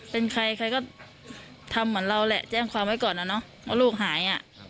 เป็นใครใครก็ทำเหมือนเราแหละแจ้งความไว้ก่อนนะเนาะว่าลูกหายอ่ะ